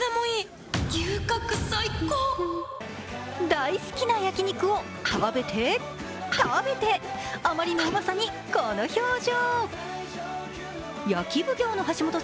大好きな焼き肉を食べて、食べてあまりのうまさにこの表情。